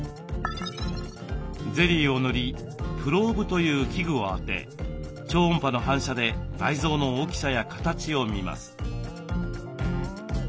ゼリーを塗りプローブという器具を当て超音波の反射で内臓の大きさや形を診ます。